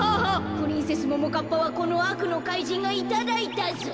プリンセスももかっぱはこのあくのかいじんがいただいたぞ。